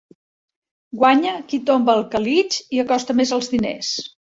Guanya qui tomba el calitx i acosta més als diners.